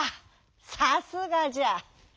さすがじゃ！